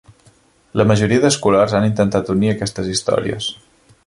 La majoria d"escolars han intentat unir aquestes històries.